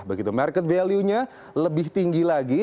begitu market value nya lebih tinggi lagi